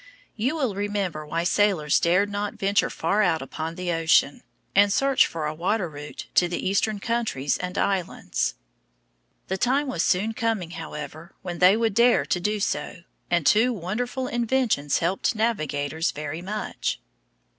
You will remember why sailors dared not venture far out upon the ocean and search for a water route to the Eastern countries and islands. The time was soon coming, however, when they would dare to do so, and two wonderful inventions helped navigators very much.